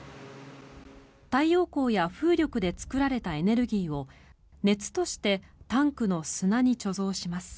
太陽光や風力で作られたエネルギーを熱としてタンクの砂に貯蔵します。